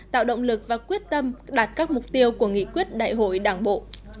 tạo động lực và quyết tâm đạt các mục tiêu của nghị quyết đại hội đảng bộ